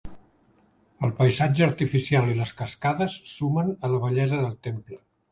El paisatge artificial i les cascades sumen a la bellesa del temple.